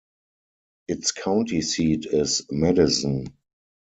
Its county seat is Madison.